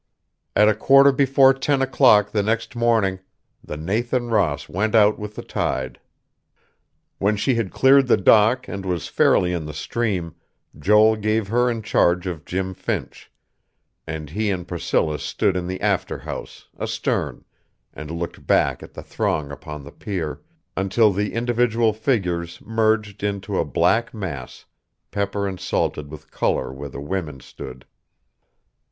At a quarter before ten o'clock the next morning, the Nathan Ross went out with the tide. When she had cleared the dock and was fairly in the stream, Joel gave her in charge of Jim Finch; and he and Priscilla stood in the after house, astern, and looked back at the throng upon the pier until the individual figures merged into a black mass, pepper and salted with color where the women stood.